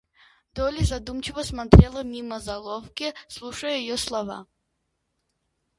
Долли задумчиво смотрела мимо золовки, слушая ее слова.